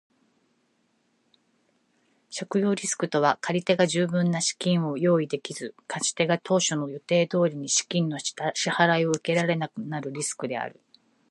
信用リスクとは借り手が十分な資金を用意できず、貸し手が当初の予定通りに資金の支払を受けられなくなるリスクである。